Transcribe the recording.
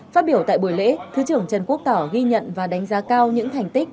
phát biểu tại buổi lễ thứ trưởng trần quốc tỏ ghi nhận và đánh giá cao những thành tích